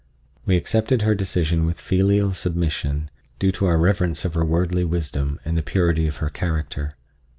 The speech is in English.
We accepted her decision with filial submission, due to our reverence for her wordly wisdom and the purity of her character.